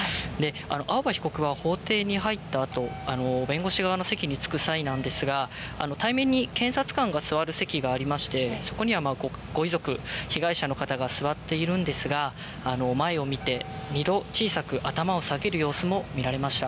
青葉被告は法廷に入ったあと弁護士側の席に着く際対面に検察官が座る席がありまして、そこにはご遺族や被害者の方が座っているんですが前を見て２度小さく頭を下げる様子も見られました。